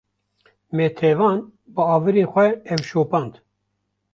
Me tevan bi awirên xwe ew şopand